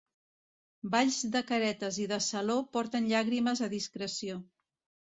Balls de caretes i de saló porten llàgrimes a discreció.